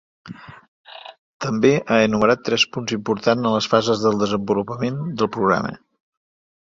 També ha enumerat tres punts importants en les fases del desenvolupament del programa.